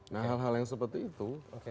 nah hal hal yang seperti itu